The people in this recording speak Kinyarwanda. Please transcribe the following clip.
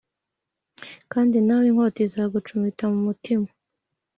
“Kandi nawe inkota izagucumita mu mutima